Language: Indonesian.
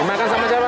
dimakan sama siapa